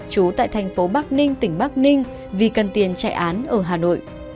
trú tại thành phố bắc ninh tỉnh bắc ninh vì cần tiền chạy án ở hà nội